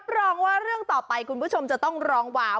รองว่าเรื่องต่อไปคุณผู้ชมจะต้องร้องว้าว